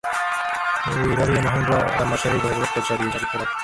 এই ভাবিয়া মহেন্দ্র আবার মশারির বহির্ভাগ কোঁচা দিয়া ঝাড়িতে লাগিল।